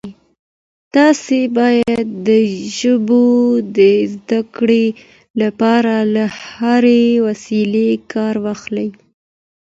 تاسي باید د ژبو د زده کړې لپاره له هرې وسیلې کار واخلئ.